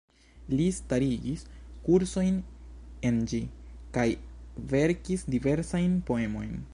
Li starigis kursojn en ĝi, kaj verkis diversajn poemojn.